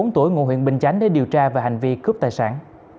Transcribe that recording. bốn mươi tuổi ngụ huyện bình chánh để điều tra về hành vi cướp tài sản